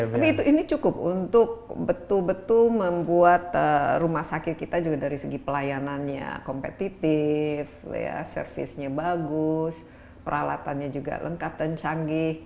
tapi ini cukup untuk betul betul membuat rumah sakit kita juga dari segi pelayanannya kompetitif servisnya bagus peralatannya juga lengkap dan canggih